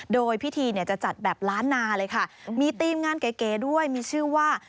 โดยพิธีเนี่ยจะจัดแบบล้านนาเลยค่ะมีทีมงานเก๋ด้วยมีชื่อว่า